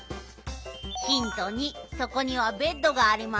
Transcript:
ひんと２そこにはベッドがあります。